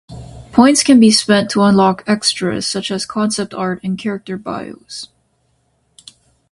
Points can be spent to unlock extras, such as concept art and character bios.